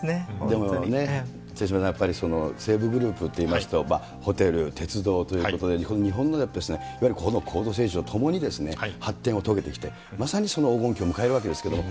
でもね、手嶋さん、やっぱり西武グループといいますと、ホテル、鉄道ということで、日本のやっぱりいわゆる高度成長とともに発展を遂げてきて、まさに黄金期を迎えるわけですけれども、